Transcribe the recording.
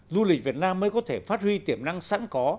du lịch việt nam mới có thể phát huy tiềm năng sẵn có